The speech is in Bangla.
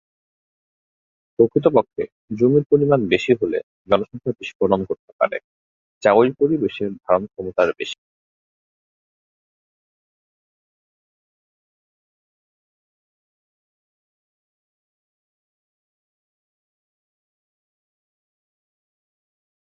প্রকৃতপক্ষে জমির পরিমাণ বেশি হলে জনসংখ্যার বিস্ফোরণ ঘটতে পারে যা ঐ পরিবেশের ধারণক্ষমতার বেশি।